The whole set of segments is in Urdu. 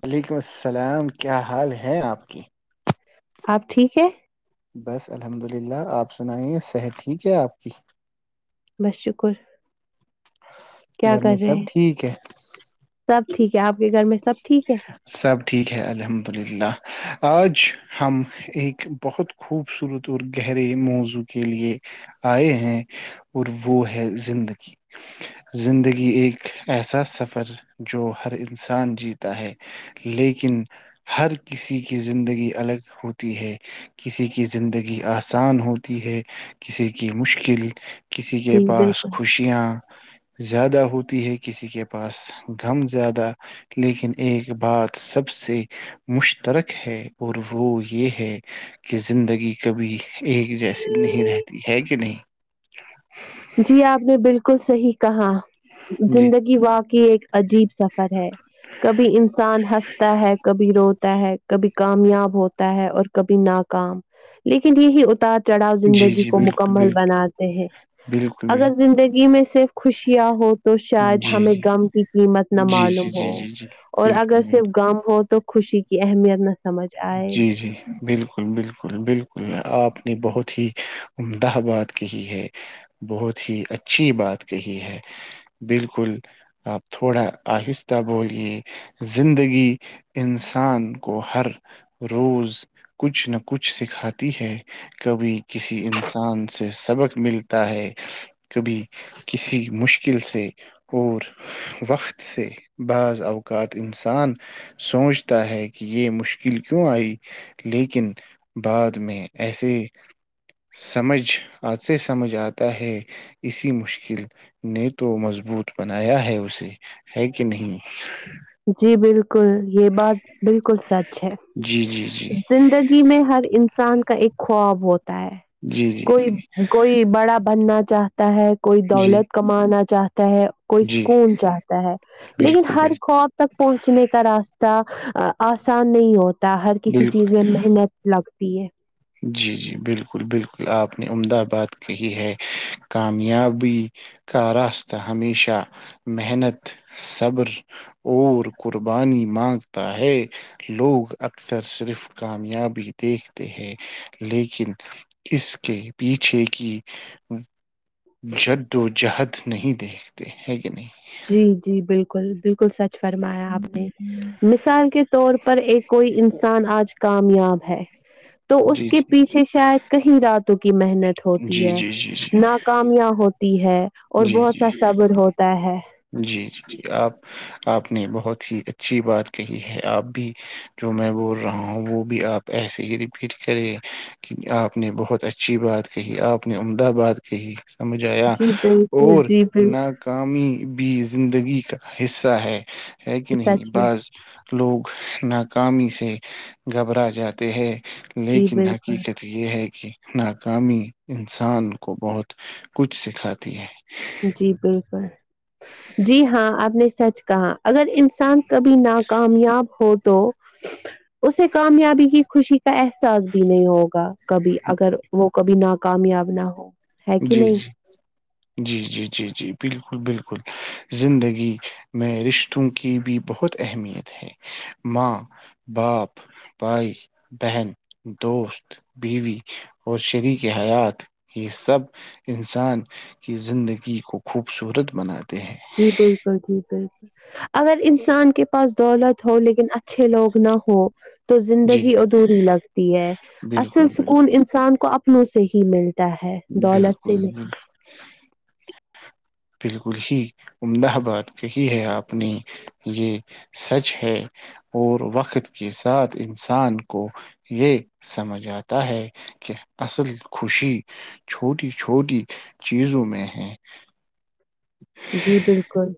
وعلیکم السلام کیا حال ہے ہے آپ کی آپ ٹھیک ہے بس الحمد للہ آپ سنائیے صحت ٹھیک ہے آپ کی بس شکر کیا گھر کر میں رہے سب ہیں ٹھیک ہے سب ٹھیک ہے آپ کے گھر میں سب ٹھیک ہے سب ٹھیک ہے الحمد للہ آج ہم ایک بہت خوبصورت اور گہرے موضوع کے لیے آئے ہیں اور وہ ہے زندگی زندگی ایک ایسا سفر جو ہر انان انسان جیتا ہے لیکن ہر کسی کی زندگی الگ ہوتی ہے کسی کی زندگی آسان ہوتی ہے کسی کی مشکل کسی کے جی پاس خوشیاں زیادہ ہوتی ہے کسی کے پاس غم زیادہ لیکن ایک بات سب سے مشترک ہے اور وہ یہ ہے کہ زندگی کبھی ایک جیسی نہیں بالکل رہتی ہے کہ نہیں جی آپ نے بالکل صحیح کہا جی زندگی واقعی ایک عجیب سفر ہے کبھی انسان ہنستا ہے کبھی روتا ہے کبھی کامیاب ہوتا ہے اور کبھی ناکام لیکن یہی اتار چڑھاؤ جی زندگی جی کو بالکل مکمل بالکل بناتے ہیں بالکل بالکل اگر زندگی میں صرف خوشیاں ہوں تو شاید جی ہمیں جی غم کی قیمت نہ جی معلوم جی ہو جی جی جی اور اگر بالکل صرف بالکل غم ہو تو تو خوشی کی اہمیت نس جی جی بالکل بالکل بالکل آپ نے بہت ہی عمدہ بات کہی ہے بہت ہی اچھی بات کہی ہے بالکل آپ تھوڑا آہستہ بولیے زندگی انسان کو ہر روز کچھ نہ کچھ سکھاتی ہے کبھی کسی انسان سے سبق ملتا ہے کبھی کسی مشکل سے اور وقت سے بعض اوقات انسان سوچتا ہے کہ یہ مش مشکل کیوں آئی لیکن بعد میں ایسے سمجھ آج سے سمجھ آتا ہے اسی مشکل نے تو مضبوط بنایا ہے اسے ہے کہ نہیں کل یہ بات بالکل سچ ہے جی جی جی زندگی میں ہر انسان کا ایک خواب بہت [unintelligible] ہے جی جی کوئی جی کوئی بڑا بننا [unintelligible] چاہتا ہے [unintelligible] کوئی جی دولت کمانا چاہتا [unintelligible] ہے کوئی جی سکون چاہتا ہے لیکن بالکل ہر بالکل خواب [unintelligible] پہنچنے کا راستہ آسان نہیں ہوتا ہر کسی بالکل چیز میں محنت لگ [unintelligible] پ ہے [unintelligible] جی جی بالکل بالکل آپ نے عمدہ آ باد کہی ہے کامیابی کا راستہ ہمیشہ محنت صبر اور قربانی مانگتا ہے لوگ اکثر صرف کامیابی دیکھتے ہے لیکن اس کے پیچھے کی [unintelligible] جدو ج [unintelligible] جہد نہیں دیکھتے ہیں کہ نہیں جی جی بالکل بالکل سچ فرمایا آپ نے مس مثال کے طور پر ایک کوئی انسان آج کامیاب ہے تو اس جی کے جی پیچھے شاید کہیں راتوں محنت ہوتی جی ہے جی جی جی ناکامیاب ہوتی ی ہے [unintelligible] اور جی جی بہت سا صبر ہوتا ہے جی جی جی آپ آپ نے بہت ہی اچھی بات کہی ہے آپ بھی جو میں بول رہا ہوں وہ بھی آپ ایسے ہی رپیٹ کرے کہ آپ نے بہت اچھی بات کہی آپ نے عمدہ بات کہی سمجھایا جی بالکل اور جی بالکل ناکامی بیج زندگی کا حصہ ہے ہے کہ نہیں سچ میں بعض لوگ نہ کاام سے گھبرا جاتے ہے جی لیکن بالکل حقیقت یہ ہے کہ ناکامی انسان کو بہت کچھ سکھاتی ہے جی بالکل جی ہاں آپ نے سچ کہا اگر انسان کبھی ناکامیاب ہو تو اسے کامیابی کی خوشی احساس بھی نہیں ہوگا کبھی اگر وہ کبھی ناکامیاب نہ ہو ہے کہ جی نہیں جی جی جی ج جی جی بالکل بالکل زندگی میں رشتوں کی بھی بہت اہمیت ہے ماں باپ بھائی بہن دوست بیوی اور شریک حیات یہ سب انسان کی زندگی کو خوبصورت بناتے ہیں جی بالکل جی بالکل اگر انسان کے پاس لالہ تھ ل [unintelligible] اچھے لوگ نہ ہ تو جی زندگی ادھوری لگتی ہے بالکل اصل بالکل سکون انسان کو اپ سے ہی ملتا [unintelligible] ہے دولت سے بالکل بالکل نہیں بالکل ہی عمدہ بات کہی ہے آپ نے یہ سچ ہے اور وقت کے ساتھ انسان کو یہ سمجھ آتا ہے کہ اصل خوشی چھوٹی چھوٹی چیزوں میں ہے جی بالکل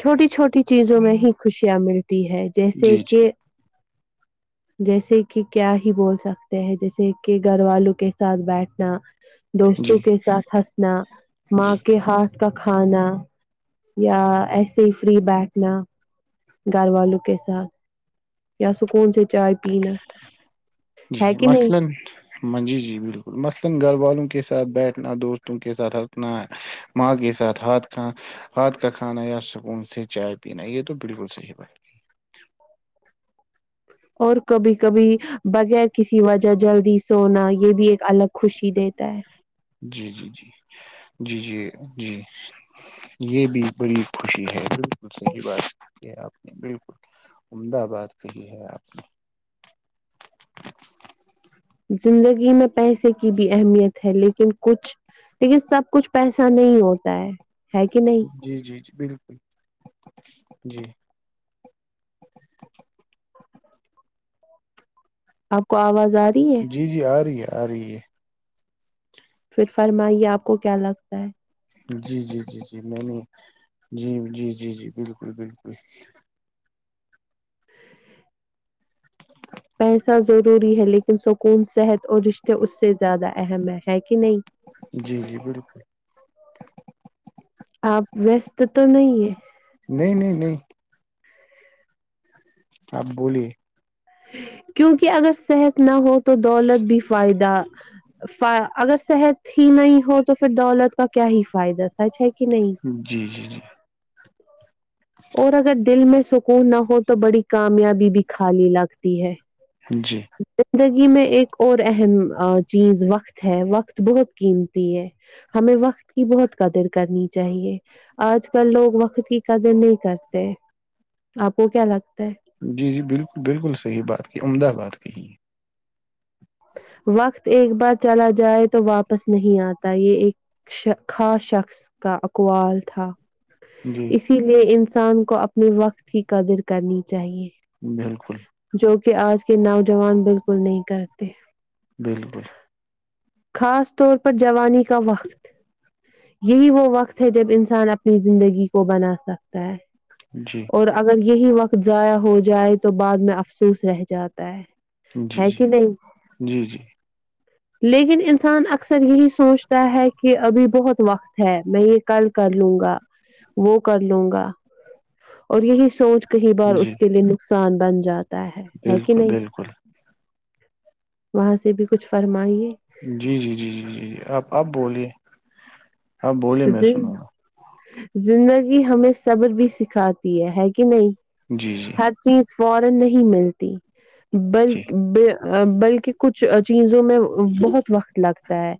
چھوٹی چھوٹی چیزوں میں ہوں۔ ہی خوشیاں مل ہے جیسے جی کہ جیسے کہ کیا ہی بول سکتے ہیں جیسے کہ گھر والوں کے ساتھ بیٹھنا جی جی دوستوں کے ساتھ ہنسنا جی ماں کے ہاتھ کا کھانا یا ایسے ہی فری بیٹھنا گھر والوں کے ساتھ یا سکون سے چائے پینا ہے کہ نہیں مثلا منجی جی بالکل مثلا گھر والوں کے ساتھ بیٹھنا دوستوں کے ساتھ ہنسنا ماں کے ساتھ ہاتھ کھ ہاتھ کا کھانا یا سکون سے چائے پینا یہ تو بالکل صحیح بات اور کبھی کبھی بغیر کسی وجہ جلدی سونا یہ بھی ایک الگ خوشی دیتا ہے جی جی جی جی جی جی یہ بھی بڑی خوشی ہے بالکل صحی بات ہے آپ نے بالکل عمدہ بات کہی ہے آپ نے زندگی میں پیسے کی بھی اہمیت ہے لیکن کچھ لیکن سب کچھ پیسہ نہیں ہوتا ہے ہے کہ نہیں جی جی جی بالکل جی آپ کو آواز آ رہی ہے جی جی آ رہی ہے ساری پھر فرمائیے آپ کو کیا لگتا ہے جی جی جی جی میں نے جی جی جی جی بالکل بالکل پیسہ ضروری ہے لیکن سکون صحت اور رشتے اس سے زیادہ اہم ہے ہے کہ نہیں جی جی بالکل آپ ویست تو نہیں ہے نہیں نہیں نہیں آپ بولیے کیونکہ اگر صحت نہ ہو تو دولت بھی فائدہ اگر صحت ہی نہیں ہو تو پھر دولت کا کیا ہی فائدہ سچ ہے کہ جی جی جی ج اور اگر دل میں سکون نہ ہو تو بڑی کامیابی بھی خالی لگتی ہے جی [unintelligible] زگی میں ایک اور اہم چیز وقت ہے وقت بہت قیمتی ہے ہمیں وقت کی بہت قدر کرنی چاہیے آج کل لوگ وقت کی قدر نہیں کرتے آپ کو کیا لگتا ہے جی جی بالکل بالکل صحیح بات کی عمدہ بات کی کہ وقت ایک بار چلا جائے تو واپس نہیں آتا یہ ایک خا شخص کا اقوال تھا ہے جی اسی لیے ان سے انسان کو اپنے وقت کی قدر کرنی چاہے بالکل جو کہ کہ آج کے نوجوان بالکل نہیں کرتے ت بالکل خاص طور پر جوانی کا وقت یہی وہ وقت ہے جب انسان اپنی زندگی کو بنا سکتا ہے جی اور اگر یہی وقت ضائع ہو جائے تو بعد میں افسوس رہ جاتا ہے جی ہے کہ نہیں جی جی لیکن انسان اکثر یہی سوچتا ہے کہ ابھی بہت وقت ہے میں یہ کل کر لوں گا وہ کر لوں گا اور یہی سوچ کئی بار جی اس کے لیے نقصان نصان بنجات ہے ہے کہ بالکل نہیں بالکل وہاں سے بھی کچھ فرمائیے جی جی جی جی جی جی آپ آپ بولیے ہاں بولیے میں سنا گا زندگی ہمیں صبر بھی سکھاتی ہے ہے کہ نہیں جی جی فورن نہیں ملتی جی بلکہ ب بلکہ کہ کچھ چیزوں میں بہت وقت لگتا ہے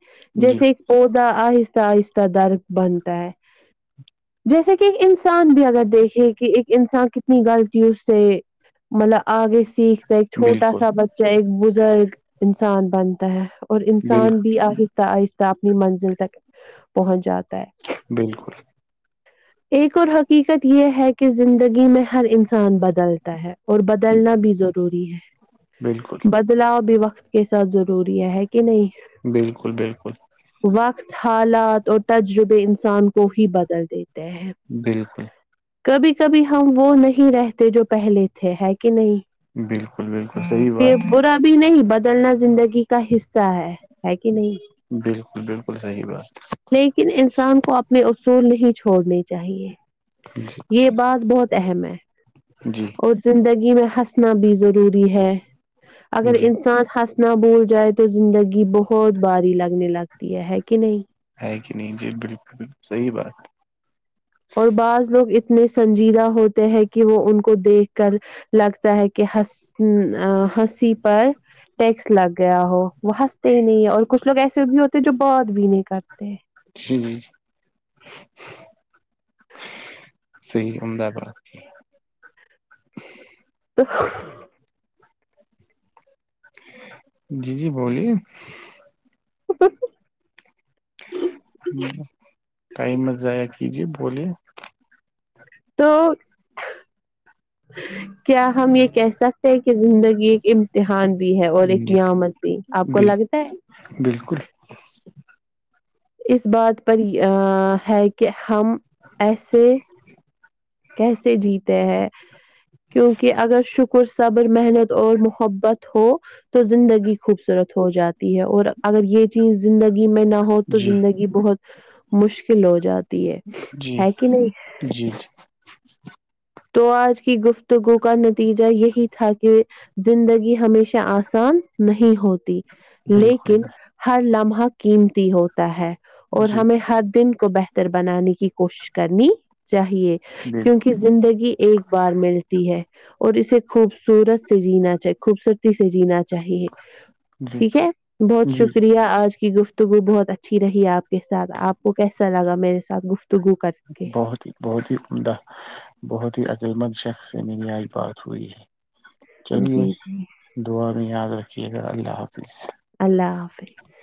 جی جیسے ایک پود آ آ درد بنتا ہے جیسے کہ ایک انسان بھی اگر دیکھے کہ ایک انسان کتنی غلطیوں سے مطلب آگے سیکھ ایک چھوٹا بالکل سا بچہ ایک بزرگ نسان بنتا ہے اور بال انسان بھی آہستہ آہستہ آ اپنی منزل ت پہنچ جاتا ہے بالکل ایک اور حقیقت یہ ہے کہ زندگی میں ہر انسان بدلتا ہے اور بدلنا بھی جو اسٹوری بالکل ہے [unintelligible] بدلاؤ ب وقت کے ساتھ ضروری ہے ہے کہ نہیں بالکل بالکل وقت حالات اور تجربے انسان کو ہی بدل دیتے ہیں بالکل کبھی کبھی ہم وہ نہیں رہتے جو پہلے تھے کہ نہیں بالکل بالکل صحیح یہ بات برا بھی نہیں بد بدلنا زندگی کا حصہ ہے ہے کہ نہیں بالکل بالکل صحی بات لیکن انسان کو اپنے اصول نہیں چھوڑنے چاہیے جی یہ بات بہت اہم ہے جی اور زندگی میں ہنس نا بھی ضروری ہے اگر جی انسان ہس اتنا بھول جائے تو زندگی بہت باری لگنے لگتی ہے کہ نہیں ہے کہ نہیں جی بالکل بکل صحیح بات اور بعض لوگ اتنے سنجیدہ ہوتے ہیں کہ وہ ان کو دیکھ کر لگتا ہے کہ ہ ہنسی پر ٹیکس لگ گیا ہو وہ ہنستے ہی نہیں اور کچھ لوگ ایسے بھی ہوتے ہیں جو بہت بھی نہیں کرتے جی جی صی احمد آباد کی السلام علیکم محترم [unintelligible] جی جی بولیے ا [unintelligible] قیمت ضائع کیجے بلیے [unintelligible] تو کیا ہم یہ کہ سکتے ہیں کہ زندگی ایک امتحان بھی ہے اور ایک جی نعمت بھی آپ کو بال لگتا ہے بالکل اس بات پر ہی ا ہے کہ ہم ایسے [inaudible] کیسے جیتے ہیں کیونکہ اگر شکر صبر محنت اور محبت ہو تو زندگی خوبصورت ہو جاتی ہے اور اگر یہ چیز زندگی میں نہ ہو تو جی زندگی بہت مشکل ہو جاتا جی جی [inaudible] [inaudible] تو آج کی گفتگو کا نتیجہ یہی تھا کہ زندگی ہمیشہ آسان نہیں ہوتی بالکل لیکن ہر لمحہ قیمتی ہوتا ہے اور جی ہمیں ہر دن کو بہتر بنانے کی کوشش کرنی [inaudible] چاہیے کیونکہ زندگی [inaudible] ایک بار ملتی ہے اور اسے خوبصورت سے جینا چاہے خوبصورتی سے جینا [unintelligible] چاہیے بالکل جی ٹھیک ہے بہت جی شکریہ آج کی گفت [unintelligible] تو وہ بہت اچھی رہی آپ کے ساتھ آپ کو کیسا لگا میرے ساتھ گفت [unintelligible] بہت ہی بہت ہی عمدہ بہت ہی اچھا [unintelligible] لمند شخ سے میری آج بات ہوئی ہے [unintelligible] چلیے جی جی دوبار نہیں یاد رکھ [inaudible] اللہ حافظ [unintelligible]